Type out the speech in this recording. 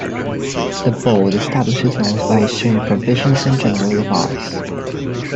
The Board establishes norms by issuing provisions and general advice.